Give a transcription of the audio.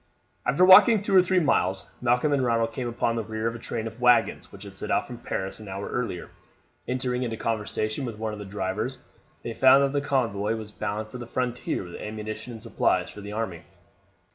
After walking two or three miles Malcolm and Ronald came upon the rear of a train of waggons which had set out from Paris an hour earlier. Entering into conversation with one of the drivers they found that the convoy was bound for the frontier with ammunition and supplies for the army.